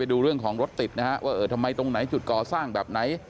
ดูเรื่องของรถติดนะฮะว่าเออทำไมตรงไหนจุดก่อสร้างแบบไหน